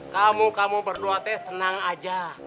kamu kamu berdua teh tenang aja